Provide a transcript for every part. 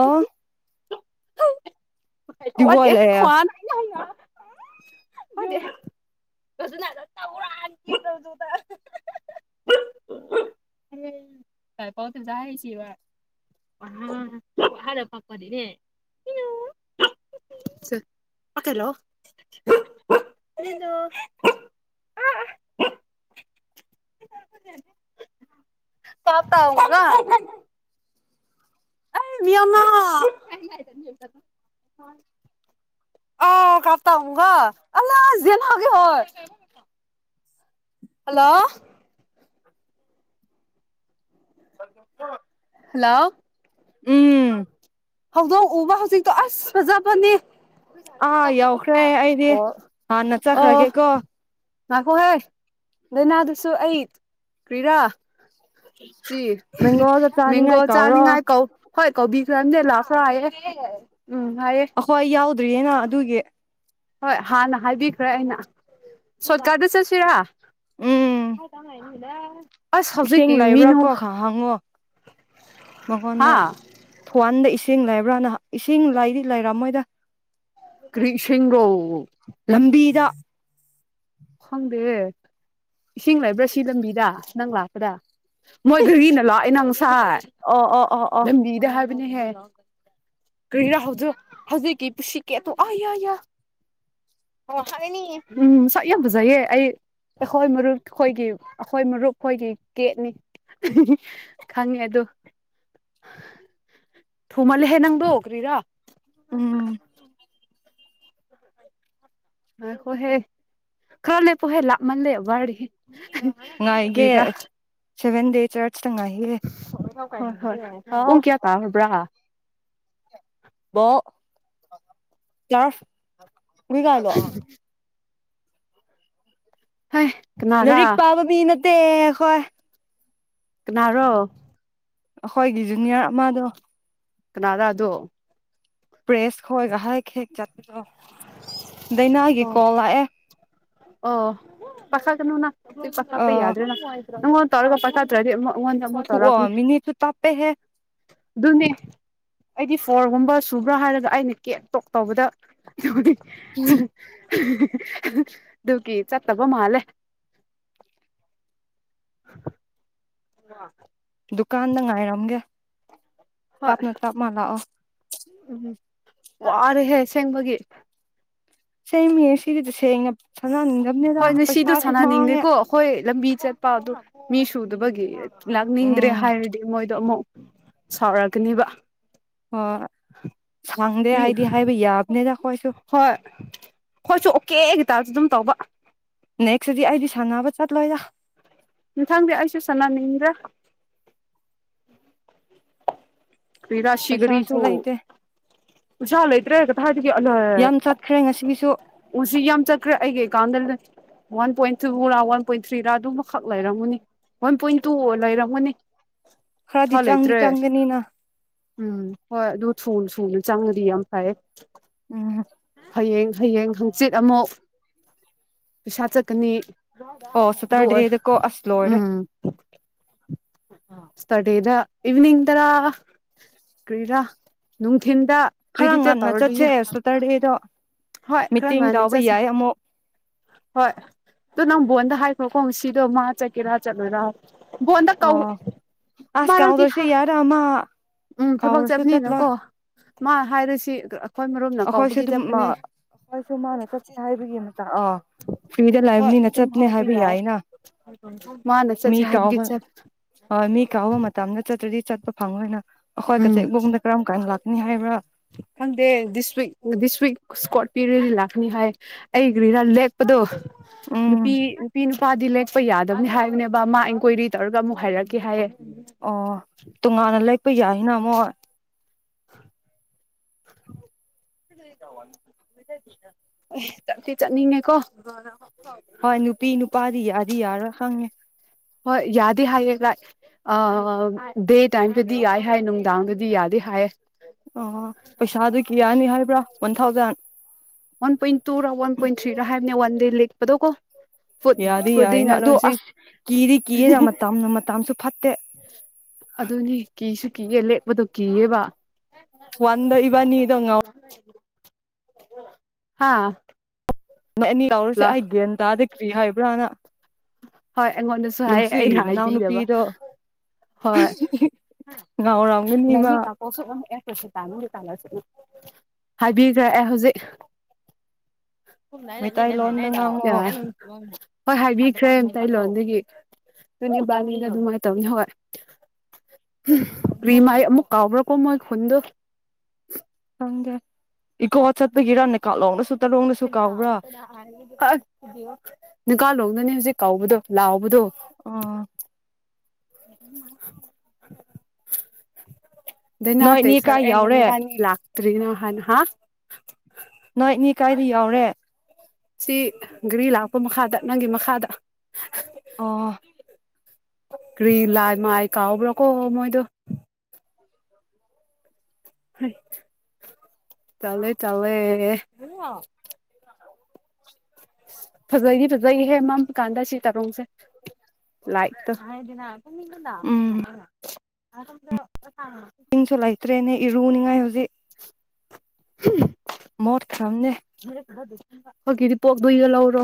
ꯑꯣ ꯗꯤꯒꯣꯏ ꯂꯩꯌꯦ [unintelligible] [unintelligible] ꯍꯂꯣ ꯄꯥ [unintelligible] ꯑ [unintelligible] [unintelligible] ꯍꯜꯂꯣ ꯍꯜꯂꯣ ꯎꯝ ꯍꯧꯗꯣꯡ ꯎꯕ ꯍꯧꯖꯤꯛꯇꯣ ꯑꯁ ꯐꯖꯕꯅꯦ ꯑꯥ ꯌꯥꯎꯈ꯭ꯔꯦ ꯑꯩꯗꯤ ꯍꯥꯟꯅ ꯆꯠꯈ꯭ꯔꯒꯦꯀꯣ ꯉꯥꯏꯈꯣ ꯍꯥ ꯂꯥꯏꯅꯥꯗꯨꯁꯨ ꯑꯩꯠ ꯀ꯭ꯔꯤꯔꯥ ꯆꯤ ꯃꯦꯡꯒꯣꯗꯣ ꯃꯦꯡꯒꯣ ꯆꯥꯅꯤꯡꯉꯥꯏ ꯀꯧꯔꯣ ꯆꯥꯅꯤꯡꯉꯥꯏ ꯀꯣ ꯍꯣꯏ ꯀꯣꯕꯤ [unintelligible] ꯑꯈꯣꯏ ꯌꯥꯎꯗꯣ ꯑꯗꯨ꯭ꯔꯤꯌꯦꯅ ꯑꯗꯨꯒꯤ ꯍꯣꯏ ꯍꯥꯟꯅ ꯍꯥꯏꯕꯤꯈ꯭ꯔꯦ ꯑꯩꯅ ꯁꯣꯔꯠꯀꯥꯠꯇ ꯆꯠꯁꯤꯔꯥ ꯎꯝ ꯍꯥꯏ ꯇꯅꯨꯡꯥꯏ ꯍꯂ ꯏꯁꯤꯡ ꯂꯩꯕ꯭ꯔꯥꯀꯣ ꯈ ꯍꯪꯉꯣ ꯍꯥ ꯃꯉꯣꯟꯗ ꯊꯋꯥꯟꯗ ꯏꯁꯤꯡ ꯏꯁꯤꯡ ꯂꯩꯕ꯭ꯔꯥꯅꯍ ꯏꯁꯤꯡ ꯂꯩꯗꯤ ꯂꯩꯔ ꯃꯣꯏꯗ ꯀ꯭ꯔꯤꯁꯤꯒꯣ ꯂꯝꯕꯤꯗ ꯈꯪꯗꯦ ꯏꯁꯤꯡ ꯂꯩꯕ꯭ꯔꯥ ꯁꯤ ꯂꯝꯕꯤꯗ ꯑꯁ ꯅꯪ ꯂꯥꯛꯄꯗ ꯃꯣꯏ ꯘꯔꯤꯅ ꯂꯥꯛꯑꯣꯦ ꯅꯪꯁꯥꯏ ꯑꯣ ꯑꯣ ꯑꯣ ꯑꯣ ꯂꯝꯕꯤꯗ ꯍꯥꯏ ꯀꯔꯥ ꯍꯧ ꯍꯧꯖꯤꯛꯀꯤ ꯄꯨꯁꯤꯀꯤꯦ ꯑ ꯎ ꯁ꯭ꯋꯥꯏ ꯌꯥꯝ ꯐꯖꯩꯌꯦ ꯑꯩ ꯑꯩꯈꯣꯏ ꯃꯔꯨꯞ ꯑꯩꯈꯣꯏꯒꯤ ꯑꯩꯈꯣꯏ ꯃꯔꯨꯞ ꯑꯩꯈꯣꯏꯒꯤ ꯀꯦꯠꯅꯤ ꯈꯪꯉꯦ ꯑꯗꯨ ꯊꯨꯃꯜ ꯍꯦ ꯅꯪꯗꯨꯣ ꯑꯣꯒ꯭ꯔꯤꯔꯥ ꯎꯝ [unintelligible] ꯍꯣꯏꯍꯦ ꯈꯔ ꯂꯩꯍꯥ ꯄꯣ ꯍꯦ ꯂꯥꯛ ꯃꯜꯂꯦ ꯋꯥꯔ ꯐꯔꯥ ꯁꯕꯦꯟꯗꯦ ꯆ ꯍꯁꯍꯣꯏ ꯍꯥꯎ ꯎꯨꯡ ꯀꯌꯥ ꯇꯥꯔꯕ꯭ꯔꯥ ꯑꯎ [unintelligible] ꯍꯩ ꯀꯅꯥꯔꯥ ꯅꯔꯤꯛ ꯄꯥꯕ ꯃꯤꯅ ꯇꯦ ꯍꯣꯏ ꯀꯅꯥꯔꯣ ꯑꯩꯈꯣꯏꯒꯤ ꯖꯨꯅꯤꯌꯔ ꯑꯃꯗꯣ ꯀꯅꯥꯗꯗꯣ ꯄ꯭ꯔꯦꯁ ꯍ ꯉꯍꯥꯏ ꯈꯦ ꯆꯥꯣ ꯗꯥꯏꯅꯥꯒꯤ ꯑꯣ ꯀꯣꯜ ꯂꯥꯛꯑꯦ [unintelligible] ꯄꯥ ꯄ ꯑ ꯌꯥꯗ꯭ꯔꯣ ꯅ ꯅꯪꯣꯟ ꯇꯧꯔꯒ ꯄꯈ ꯍꯥꯇꯗꯤ ꯃꯤꯅꯤꯁꯨꯨ ꯇꯞꯄꯦ ꯍꯦ ꯑꯗꯨꯅꯦ ꯑꯩꯗꯤ ꯐꯣꯔꯒꯨꯝꯕ ꯁꯨꯕ꯭ꯔꯥ ꯍꯥꯏꯔꯒ ꯑꯩꯅ ꯀꯦ ꯇꯣꯛ ꯇꯧꯕꯗ [unintelligible] ꯑꯗꯨꯒꯤ ꯆꯠꯇꯕ ꯃꯥꯜꯂꯦ ꯑ [unintelligible] ꯗꯨꯀꯥꯟꯗ ꯉꯥꯏꯔꯝꯒꯦ ꯇꯥꯞꯅ ꯇꯞ ꯃꯥꯜꯂꯥꯛꯑꯣ ꯎꯝ ꯋꯥꯔꯦ ꯍꯦ ꯁꯦꯉꯃꯒꯤ ꯁꯦꯃꯤ ꯁꯤꯔꯤꯗꯤ ꯁꯉ ꯍꯅꯅꯤꯒꯃꯦꯗ ꯍꯣꯏ ꯉꯁꯤꯗꯣ ꯄꯩꯁꯥꯁꯨꯃꯥꯡꯉꯦ ꯁꯥꯟꯅꯅꯤꯡꯗꯦꯀꯣ ꯑꯩꯈꯣꯏ ꯂꯝꯕꯤ ꯆꯠꯄꯗꯣ ꯃꯤ ꯁꯨꯗꯕꯒꯤ ꯂꯥꯛꯅꯤꯡꯗ꯭ꯔꯦ ꯎꯝ ꯍꯥꯏꯔꯗꯤ ꯃꯣꯏꯗꯣ ꯑꯃꯨꯛ ꯁꯥꯎꯔꯛꯒꯅꯦꯕ ꯍꯣꯏ ꯁꯪꯗꯦ ꯍꯥꯏꯗꯤ ꯍꯥꯏꯕ ꯌꯥꯕꯅꯤꯗ ꯑꯩꯈꯣꯏꯁꯨ ꯍꯣꯏ ꯍꯣꯏꯁꯨ ꯑꯣꯀꯦꯒꯤꯇꯥꯁꯨ ꯑꯗꯨꯝ ꯇꯧꯕ ꯅꯦꯛꯁꯇꯗꯤ ꯑꯩꯗꯤ ꯁꯥꯟꯅꯕ ꯆꯠꯂꯣꯏꯔ ꯊꯪꯗꯤ ꯑꯩꯁꯨ ꯁꯅꯅꯤꯡꯗ꯭ꯔꯦ ꯎꯝ ꯑꯩ ꯄꯩꯁꯥꯁꯨ ꯔꯥꯁꯤꯒꯔꯤꯁꯨ ꯂꯩꯇꯦ ꯎꯁꯥ ꯂꯩꯇ꯭ꯔꯦ ꯀ ꯍꯥꯏꯒ ꯑ ꯌꯥꯝ ꯆꯠꯈ꯭ꯔꯦ ꯉꯁꯤꯒꯤꯁꯨ ꯎꯁꯤ ꯌꯥꯝ ꯆꯠꯈ꯭ꯔꯦ ꯑꯩꯒꯤꯀꯥꯟꯗ ꯋꯥꯟ ꯄꯣꯏꯟ ꯇꯨꯔꯥ ꯋꯥꯟ ꯄꯣꯏꯟ ꯊ꯭ꯔꯤꯔꯥ ꯑꯗꯨꯃꯈꯛ ꯂꯩꯔꯝꯒꯨꯅꯤ ꯋꯥꯟ ꯄꯣꯏꯟ ꯇꯨ ꯂꯩꯔꯝꯃꯨꯅꯤ ꯈꯔꯗꯤ ꯆꯪꯗꯤ ꯆꯪꯒꯅꯤꯅ ꯎꯝ ꯍꯣꯏ ꯑꯗꯨ ꯁꯨ ꯁꯨꯅ ꯆꯪꯉꯗꯤ ꯌꯥꯝ ꯐꯩ ꯑ [unintelligible] ꯍꯌꯦꯡ ꯍꯌꯦꯡ ꯍꯪꯆꯤꯠ ꯑꯃꯨꯛ ꯄꯩꯁꯥ ꯆꯠꯀꯅꯤ ꯑꯣ ꯁꯤ ꯑꯗꯨ ꯑꯣꯏ ꯇꯗꯦꯗꯀꯣ ꯑꯁꯂꯣꯔꯦ ꯁꯔꯗꯦꯗ ꯏꯚꯅꯤꯡ ꯇꯔꯥ ꯀ꯭ꯔꯤꯗꯥꯥ ꯅꯨꯡꯊꯤꯟ ꯈꯔ ꯉꯟꯅ ꯆꯠꯁꯦ ꯁꯇꯔꯗꯦꯗꯣ ꯍꯣꯏ ꯈꯔ ꯃꯤꯇꯤꯡ ꯉꯟꯅ ꯇꯕ ꯆꯠꯁꯦ ꯌꯥꯏ ꯑꯃꯨꯛ ꯍꯣꯏ ꯑꯣ ꯅꯪ ꯕꯣꯟꯗ ꯍꯥꯏꯈ꯭ꯔꯣꯀꯣ ꯁꯤꯗꯣ ꯃꯥ ꯆꯠꯀꯦꯔꯥ ꯆꯠꯂꯣꯏꯔꯥ ꯕꯣꯟꯗ ꯀꯧ ꯑꯣ ꯑꯁ ꯑꯃꯔꯛꯇꯤ ꯀꯥꯎꯥꯎꯗꯁꯤ ꯍꯥꯏ ꯌꯥꯔꯃ ꯎꯝ ꯊꯕꯛ ꯆꯠꯅꯤꯅꯀꯣ ꯃꯥ ꯍꯥꯏꯔꯁꯤ ꯃꯔꯨꯞꯅ ꯑꯩꯈꯣꯏꯁꯨ ꯀꯧꯕꯒꯤ ꯑꯗꯨꯝ ꯆꯠꯄꯅꯦ ꯑꯩꯈꯣꯏꯁꯨ ꯃꯥꯅ ꯆꯠꯁꯦ ꯍꯥꯏꯕꯒꯤ ꯑꯃ ꯑꯥ ꯐꯤꯗ ꯍꯣꯏ ꯂꯥꯏꯕꯅꯤꯅ ꯑꯗꯨꯝ ꯆꯠꯄꯅꯦ ꯍꯥꯏꯕ ꯌꯥꯏ ꯌꯥꯏꯅ ꯃꯥꯅ ꯃꯤ ꯆꯠꯁꯦ ꯍꯥꯏꯕꯒꯤ ꯀꯥꯎꯕ ꯆꯠ ꯑ ꯃꯤ ꯀꯥꯎꯕ ꯃꯇꯝꯅ ꯆꯄ ꯑꯗꯨ꯭ꯔꯗꯤ ꯆꯠꯄ ꯐꯪꯉꯣꯏꯅ ꯑꯩꯈꯣꯏ ꯀꯆꯦꯛ ꯐꯗ ꯀꯔꯝ ꯀꯥꯟꯅ ꯂꯥꯛꯀꯅꯤ ꯍꯥꯏꯕ꯭ꯔꯥ ꯊꯦꯡꯪꯨ ꯗꯤꯁꯋꯤꯛ ꯗꯤꯁ ꯋꯤꯛ ꯁꯀꯣꯠ ꯄꯤꯔ ꯅꯤ ꯍꯥꯏ ꯑꯩ ꯒ꯭ꯔꯤꯔ ꯂꯦꯛꯄꯗꯣ ꯎꯝ ꯅꯨꯄꯤ ꯅꯨꯄꯤ ꯅꯨ ꯏꯄꯥꯗꯤ ꯂꯦꯛꯄ ꯌꯥꯗꯕꯅꯤ ꯍꯥꯏꯕꯅꯦꯕ ꯃꯥ ꯏꯟꯀ꯭ꯋꯥꯏꯔꯤ ꯇꯧꯔꯒ ꯑꯃꯨꯛ ꯍꯥꯏꯔꯛꯀꯦ ꯍꯥꯏꯌꯦꯦ ꯑꯣ ꯇꯣꯉꯥꯟꯅ ꯂꯩꯄ ꯌꯥꯏ ꯏꯅꯃꯣ ꯑꯦ ꯆꯠꯇꯤ ꯆꯠꯅꯤꯡꯉꯦꯀꯣ ꯍꯣꯏ ꯅꯨꯄꯤ ꯅꯨꯄꯥꯗꯤ ꯌꯥꯗꯤ ꯌꯥꯔꯣꯏ ꯈꯪꯉꯦ ꯍꯣꯏ ꯌꯥꯗꯦ ꯍꯥꯏꯌꯦ ꯑ ꯗꯦ ꯇꯥꯏꯝꯒꯗꯤ ꯌꯥꯏ ꯍꯥꯏ ꯅꯨꯡꯗꯥꯡꯒꯗꯤ ꯌꯥꯗꯤꯦ ꯍꯥꯏꯌꯦ ꯑꯣ ꯄꯩꯁꯥꯗꯨ ꯀꯌꯥꯅꯤ ꯍꯥꯏꯕ꯭ꯔꯥ ꯋꯥꯟ ꯊꯥꯎꯖꯟ ꯋꯥꯟ ꯄꯣꯏꯟ ꯇ ꯔ ꯋꯥꯟ ꯄꯣꯏꯟ ꯇ ꯊ꯭ꯔꯤ ꯔꯦ ꯋꯥꯟ ꯏꯔ ꯂꯤꯦꯛꯄ ꯇꯣ ꯀꯣ ꯌꯥꯗꯤ ꯌꯥꯏꯅ ꯑꯗꯨ ꯑꯁ ꯀꯤꯗꯤ ꯀꯤꯌꯦꯦꯗ ꯃꯇꯝ ꯃꯇꯝꯁꯨ ꯐꯠꯇꯦ ꯑꯗꯨꯅꯤ ꯀꯤꯁꯨ ꯀꯤꯒꯦ ꯂꯦꯛꯄꯗꯣ ꯀꯤꯌꯦꯕ ꯋꯥꯟ ꯏꯕꯅꯤ ꯑꯗꯨꯉ ꯍꯥꯥ ꯅ ꯑꯦꯅꯤ ꯌꯥ ꯂꯧꯎꯔꯁꯦ ꯂ ꯑꯩꯒꯦꯅ ꯇꯥꯗ ꯑꯌꯥ ꯏꯕ꯭ꯔꯑꯣꯅ ꯎ [unintelligible] ꯍꯣꯏ ꯑꯩꯉꯣꯟꯗꯁꯨ ꯍꯥꯏꯌꯦ ꯑꯩꯅ ꯍꯥꯏꯕꯤꯗꯕ ꯃꯅꯥꯎꯅꯨꯄꯤꯗꯣ ꯍꯣꯏ ꯉꯥꯎꯔꯝꯒꯅꯤ ꯃꯥ ꯅꯅꯤ ꯀꯥꯡꯥꯄꯣꯛꯁꯨ ꯑꯃꯝꯃꯛꯑꯦ ꯍꯥꯏꯕꯤꯈ꯭ꯔꯦ ꯑꯦ ꯍꯧꯖꯤꯛ ꯃꯩꯇꯩꯂꯣꯟꯗ ꯉꯥꯡꯉꯣ ꯍꯅ ꯍꯣꯏ ꯍꯥꯏꯕꯤ ꯈꯔꯦ ꯃꯇ ꯂꯣꯟꯗꯒꯤ ꯅꯅꯦꯕꯥꯅꯤꯅ ꯑꯗꯨꯃꯥꯏꯅ ꯇꯧꯅꯤ ꯍꯣꯏ ꯔꯤꯃꯥꯏ ꯑꯃꯨꯛ ꯀꯥꯎꯕ꯭ꯔꯥꯀꯣ ꯃꯣꯏ ꯈꯨꯟꯗꯣ ꯏꯣ ꯍ ꯁꯠꯇꯒꯤꯦꯔꯥ ꯅꯀꯥꯂꯣꯅ ꯁ ꯣ [unintelligible] ꯀꯥꯂꯣꯡꯗꯅꯦ ꯍꯧꯖꯤꯛ ꯀꯥꯎꯕꯗꯣ ꯂꯥꯛꯕꯗꯣ ꯑꯣ [unintelligible] ꯑꯗꯨ ꯅꯅꯥ ꯇ ꯅꯣꯏꯅꯤ ꯁꯔ ꯀꯥꯏ ꯌꯥꯎꯔꯦ ꯌꯦꯅꯅ ꯟꯂ ꯇ꯭ꯔꯤꯅꯣ ꯍꯥꯟ ꯍꯥ ꯅꯣꯏ ꯏꯅꯦ ꯀꯥꯏꯗ ꯌꯥꯎꯔꯦ ꯁꯤ ꯒꯥꯔꯤ ꯂꯥꯛꯄ ꯃꯈꯥꯗ ꯅꯪꯒꯤ ꯃꯈꯥꯗ ꯑꯣ ꯀ꯭ꯔꯤ ꯂꯥꯏ ꯃꯥꯏ ꯀꯥꯎꯕ꯭ꯔꯣ ꯀꯣ ꯃꯣꯏꯗꯣ ꯇꯂꯦ ꯇꯂꯦ ꯐꯖꯩꯗꯤ ꯐꯖꯩꯍꯦ ꯃꯝꯝꯕ ꯀꯥꯟꯗ ꯁꯤ ꯇꯥꯔꯣꯡꯁꯦ ꯂꯥꯏꯛꯇ ꯍꯥꯏꯗꯅ ꯅꯗꯥ ꯑꯗꯝꯗ ꯏ ꯆꯣꯥꯏꯇꯦꯅꯦ ꯏ ꯔꯨꯅꯤꯉꯥꯏ ꯍꯧꯖꯤꯛ ꯍꯝ ꯃꯠ ꯈꯔꯝꯅꯦ [inaudible] ꯑꯩꯈꯣꯏꯒꯤꯗꯤ ꯄꯣꯛꯗꯒ ꯂꯧꯔꯣ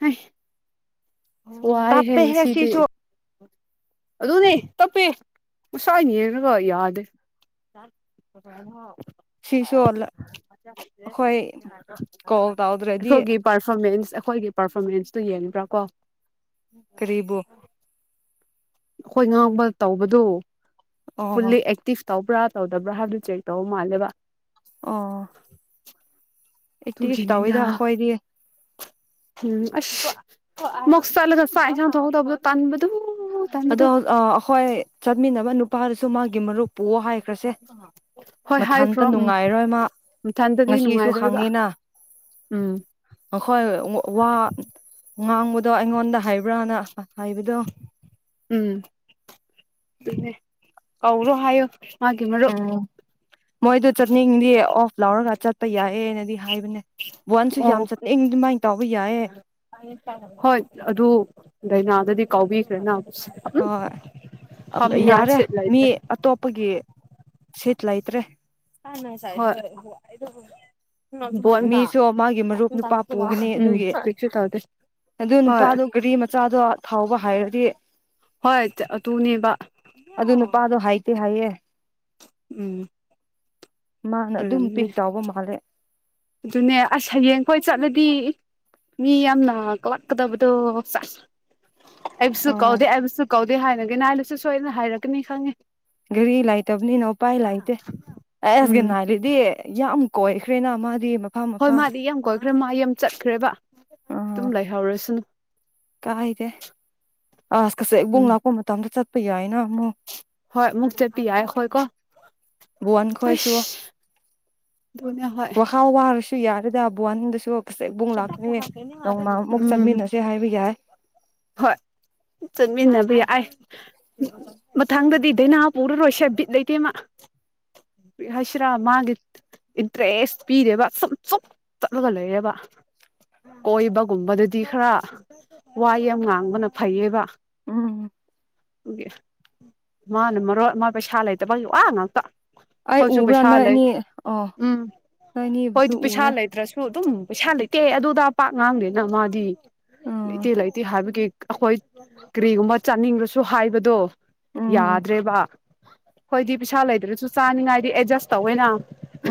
ꯍ ꯋꯥꯏ ꯇꯥꯞꯄꯦꯍꯦ ꯍꯦꯟꯁꯤꯗꯤ ꯁꯤꯁꯨ ꯑꯗꯨꯅꯦ ꯇꯞꯄꯦ ꯎꯁꯥꯅꯦꯔꯒ ꯌꯥꯗꯦ ꯁꯤꯁꯨ ꯑꯩꯈꯣꯏ ꯀꯣꯜ ꯇꯧꯗ꯭ꯔꯗꯤ ꯑꯩꯈꯣꯏꯒꯤ ꯄꯔꯐꯣꯔꯃꯦꯟꯁ ꯑꯩꯈꯣꯏꯒꯤ ꯄꯥꯔꯐꯣꯔꯃꯦꯟꯁꯇꯨ ꯌꯦꯡꯕ꯭ꯔꯥ ꯀꯣ ꯀ꯭ꯔꯤꯕꯨ ꯑꯩꯈꯣꯏ ꯉꯥꯡꯕ ꯇꯧꯕꯗꯨ ꯑꯣ ꯐꯜꯂꯤ ꯑꯦꯛꯇꯤꯚ ꯇꯧꯕ꯭ꯔꯥ ꯇꯧꯗꯕ꯭ꯔꯥ ꯍꯥꯏꯕꯗꯨ ꯆꯦꯛ ꯇꯧꯕ ꯃꯥꯜꯂꯦꯕ ꯑ ꯇꯨꯒꯅꯤꯗ ꯎꯝ ꯃꯣꯁ ꯆꯦ ꯆ ꯆ ꯍꯥꯏꯥꯏꯥꯎ ꯊꯧ ꯊꯧꯕ ꯇꯥꯟꯕꯨꯗꯨ ꯑꯗꯣ ꯑ ꯍꯣꯏ ꯆ ꯆꯠꯃꯤꯟꯅꯕ ꯅꯨꯄꯥꯔꯁꯨ ꯃꯥꯒꯤ ꯃꯔꯨꯞ ꯄꯣꯛꯑꯣ ꯍꯥꯏꯈ꯭ꯔꯁꯦ ꯍꯣꯏ ꯃꯊꯟꯇ ꯍꯥꯏꯈ꯭ꯔꯣ ꯎꯝ ꯅꯨꯡꯉꯥꯏꯔꯣꯏ ꯃꯥ ꯃꯊꯟꯇꯗꯤ ꯉꯁꯤꯁꯨ ꯅꯨꯡꯉꯥꯏꯔꯣꯏꯕ ꯍꯪꯉꯤꯅ ꯎꯝ ꯑꯩꯈꯣꯏ ꯋꯥ ꯉꯥꯡꯕꯗꯣ ꯑꯩꯉꯣꯟꯗ ꯍꯥꯏꯕ꯭ꯔꯥꯅ ꯑ ꯏꯕꯗꯣ ꯎꯝ ꯀꯥꯎꯔꯣ ꯍꯥꯏꯌ ꯃꯥꯒꯤꯦ ꯃꯔꯔꯣ ꯎꯝ ꯃꯣꯏꯗꯣ ꯆꯠꯅꯤꯡꯗꯤ ꯑꯣꯐ ꯂꯥꯎꯔꯒ ꯆꯠ ꯌꯥꯏꯑꯦꯅꯗꯤ ꯍꯥꯏꯕꯅꯦ ꯋꯥꯟꯁꯨ ꯑꯣ ꯌꯥꯝ ꯆꯠꯅꯤꯡ ꯑꯗꯨꯃꯥꯏꯅ ꯇꯧꯕ ꯌꯥꯏꯌꯦ ꯍꯣꯏ ꯑꯗꯨ ꯂꯗꯥꯥꯏꯅꯥꯗꯗꯤ ꯀꯥꯎꯕꯤꯁꯦꯅ ꯍꯣꯏ ꯌꯥꯔꯦ ꯁꯤꯠ ꯃꯤ ꯂꯩꯇ꯭ꯔꯦ ꯑꯇꯣꯞꯄꯒꯤ ꯁꯤꯤꯠ ꯂꯥꯏꯇ꯭ꯔꯦ ꯑ ꯃꯤꯁꯨ ꯃꯥꯒꯤ ꯃꯔꯨꯞ ꯅꯨꯄꯥ ꯄꯨꯒꯅꯤ ꯎꯝ ꯑꯗꯨꯒꯤ ꯀꯔꯤꯁꯨ ꯇꯧꯗꯦ ꯑꯗꯨ ꯍꯣꯏ ꯅꯨꯄꯥꯗꯣ ꯒꯥꯔꯤ ꯃꯆꯥꯗꯣ ꯊꯥꯎꯕ ꯍꯥꯏꯔꯗꯤ ꯍꯣꯏ ꯑꯗꯨꯅꯦꯕ ꯑꯗꯨ ꯅꯨꯄꯥꯗꯣ ꯍꯥꯏꯇꯦ ꯍꯥꯏꯌꯦ ꯎꯝ ꯃꯥꯅ ꯑꯗꯨꯝ ꯑꯣꯏꯔꯝꯅꯤ ꯄꯤꯛ ꯇꯥꯎꯕ ꯃꯥꯜꯂꯦ ꯑꯗꯨꯅꯦ ꯑꯁ ꯍꯌꯦꯡꯈꯣꯏ ꯆꯠꯂꯗꯤ ꯃꯤ ꯌꯥꯝꯅ ꯀꯂꯛꯀꯗꯕꯗꯣ ꯆ ꯑꯐꯁꯨ ꯍꯣꯏ ꯀꯥꯎꯗꯦ ꯑꯐꯁꯨ ꯀꯥꯎꯗ ꯍꯥꯏꯅꯒꯦꯅ ꯍꯥꯏꯅꯁꯨ ꯁꯣꯏꯗꯅ ꯍꯥꯏꯔꯛꯀꯅꯤ ꯈꯪꯉꯦ ꯒꯥꯔꯤ ꯂꯩꯇꯕꯅꯤꯅ ꯎꯄꯥꯏ ꯂꯩꯇꯦ ꯑꯩ ꯑꯁꯒꯤ ꯎꯝ ꯅꯥꯔꯤꯗꯤ ꯌꯥꯝ ꯀꯣꯏꯈꯔꯤꯅ ꯑꯃ ꯑꯗꯨ ꯃꯐꯝ ꯃꯐꯝꯐꯝ ꯈꯔ ꯃꯥ ꯌꯥꯝ ꯆꯠꯈ꯭ꯔꯦꯕ ꯑꯗꯨꯝ ꯂꯩꯍꯧꯔꯁꯤꯅ ꯀꯥꯏ ꯏꯗꯦ ꯑ ꯀꯁ ꯨꯡ ꯎꯝ ꯂꯥꯛꯀ ꯃꯇꯝꯗ ꯆ ꯄ ꯌꯥꯏꯅ ꯍꯣꯏ ꯃꯨꯛ ꯆꯠꯄꯤ ꯌꯥꯏ ꯑꯩꯈꯣꯏꯀꯣ ꯟ ꯈꯣꯏꯁꯨ ꯑꯩꯁ ꯑꯗꯨꯅꯦ ꯍꯣꯏ ꯋꯥ ꯍꯥꯥꯎ ꯋꯥꯔꯁꯨ ꯌꯥꯗ ꯑꯕꯨꯋꯥꯅꯤꯅꯗꯁꯨ ꯎꯝ ꯆꯠꯃꯤꯟꯅꯁꯦ ꯍꯥꯏꯕ ꯌꯥꯏ ꯍꯣꯏ ꯆꯠꯃꯤꯟꯅꯕ ꯌꯥꯏ ꯃꯊꯪꯗꯗꯤ ꯗꯥꯏꯅꯥ ꯄꯨꯔꯔꯣꯏꯁꯦ ꯕꯤꯠ ꯂꯩꯇꯦꯃ ꯕꯤꯠ ꯍꯥꯏꯁꯤꯔꯥ ꯃꯥꯒꯤ ꯏꯟꯇꯔꯦꯁ ꯄꯤꯔꯦꯕ ꯁꯨꯝ ꯁꯨꯞ ꯆꯠꯂꯒ ꯂꯩꯔꯦꯕ ꯀꯣꯏꯕꯒꯨꯝꯕꯗꯗꯤ ꯈꯔ ꯋꯥ ꯌꯥꯝ ꯉꯥꯡꯕꯅ ꯐꯩꯌꯦꯕ ꯎꯝ ꯃꯥꯅ ꯃꯔ ꯃꯣꯏ ꯄꯩꯁꯥ ꯂꯩꯇꯕꯒꯤ ꯋꯥ ꯉꯥꯛꯇ ꯑꯩ ꯑꯩꯈꯣꯏꯁꯨ ꯎꯕ꯭ꯔꯥ ꯄꯩꯁꯥ ꯅꯣꯏ ꯂꯩ ꯑꯅꯤ ꯑꯣ ꯎꯝ ꯅꯣꯏ ꯅꯤꯕꯁꯨ ꯎꯔꯦ ꯑꯩꯩ ꯁꯥꯟꯗꯩ ꯀꯦ ꯑꯗꯨꯗ ꯄꯥꯛ ꯉꯥꯡꯗꯦꯅ ꯃꯥꯗꯤ ꯏ ꯎꯝ ꯏ ꯂ ꯏ ꯍꯥꯕꯒꯤ ꯑꯩꯈꯣꯏ ꯀꯔꯤꯒꯨꯝꯕ ꯆꯥꯅꯤꯡꯕ꯭ꯔꯁꯨ ꯍꯥꯏꯕꯗꯣ ꯎꯝ ꯌꯥꯗ꯭ꯔꯦꯕ ꯍꯣꯏꯗꯤ ꯄꯩꯁꯥ ꯂꯩꯗ꯭ꯔꯁꯨ ꯆꯥꯅꯤꯡꯉꯥꯏꯗꯤ ꯑꯦꯗꯖꯁ ꯇꯧꯋꯅ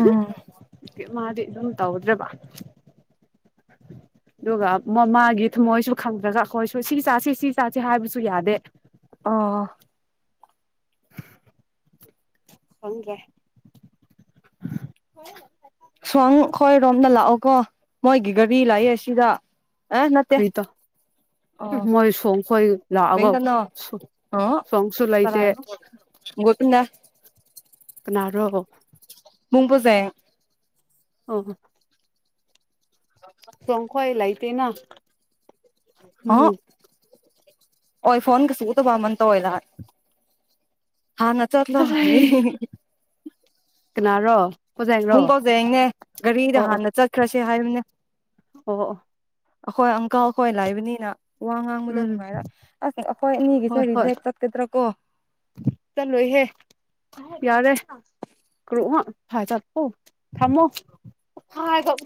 ꯎꯝ ꯃꯥꯗꯤ ꯑꯗꯨꯝ ꯇꯧꯗ꯭ꯔꯕ ꯑꯗꯨꯒ ꯃꯃꯥꯒꯤ ꯊꯃꯣꯏꯁꯨ ꯈꯪꯗ꯭ꯔꯒ ꯑꯩꯈꯣꯏꯁꯨ ꯁꯤ ꯆꯥꯁꯦ ꯁꯤ ꯆꯥꯁꯦ ꯍꯥꯏꯕꯁꯨ ꯌꯥꯗꯦ ꯑ ꯍꯪ ꯍ [unintelligible] ꯁꯨꯍꯪ ꯑꯩꯣꯏꯔꯣꯝꯗ ꯂꯥꯛꯑꯣ ꯀꯣ ꯃꯣꯏꯒꯤ ꯒꯥꯔꯤ ꯂꯥꯛꯑꯌꯦ ꯑꯁꯤꯗ ꯑ ꯃꯠꯇꯦ ꯀꯔꯤꯇꯣ ꯃꯣꯏ ꯁꯣꯡ ꯈꯣꯏ ꯂꯥꯛꯑꯒ ꯑꯣ ꯁꯣꯡꯁꯨ ꯂꯩꯇꯦ ꯟꯗ ꯀꯅꯥꯔꯣ ꯨꯡꯕꯨꯖꯦ ꯑꯣ ꯍꯣ ꯁꯪꯈꯋꯥꯑ ꯂꯥꯏ ꯇꯅ ꯑ ꯑꯣꯏ ꯐꯣꯟ ꯀꯁꯨ ꯇ ꯃ ꯇꯣꯣꯏꯗ ꯍꯥꯟꯅ ꯆꯠꯂ ꯀꯅꯥꯔꯣ ꯀꯣꯖꯦꯡꯔꯣ ꯄꯨꯡ ꯐꯥꯎꯖꯩ ꯍꯡꯅꯦ ꯒꯥꯔꯤꯗ ꯑꯣ ꯑꯣ ꯍꯥꯟꯅ ꯆꯠꯈ꯭ꯔꯁꯦ ꯍꯥꯏꯔꯤꯕꯅꯦ ꯑꯣ ꯑꯩꯈꯣꯏ ꯑꯪꯀꯜ ꯑꯩꯈꯣꯏ ꯂꯥꯏꯕꯅꯤꯅ ꯋꯥ ꯉꯥꯡꯕꯗꯣ ꯎꯝ ꯅꯨꯡꯉꯥꯏꯔ ꯑꯁ ꯑꯅꯤꯒꯤꯁꯦ ꯍꯣꯏ ꯍꯣꯏ ꯔꯤꯖꯦꯛ ꯆꯠꯀꯗ꯭ꯔꯥ ꯀꯣ ꯆꯠꯂꯣꯏꯍꯦ ꯌꯥꯔꯦ ꯀꯔꯛꯍ ꯐꯥꯏ ꯆꯠꯄꯣ ꯊꯝꯃꯣ ꯆ